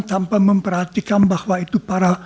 tanpa memperhatikan bahwa itu parah